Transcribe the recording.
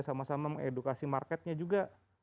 sama sama mengedukasi marketnya juga